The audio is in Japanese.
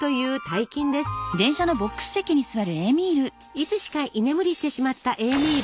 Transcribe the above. いつしか居眠りしてしまったエーミール。